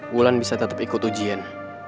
bulan bisa tetep ikut ujian